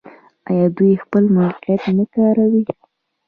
آیا دوی خپل موقعیت نه کاروي؟